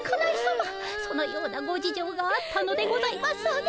そのようなご事情があったのでございますね。